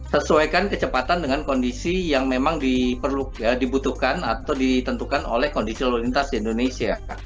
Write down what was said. sesuaikan kecepatan dengan kondisi yang memang dibutuhkan atau ditentukan oleh kondisi lalu lintas di indonesia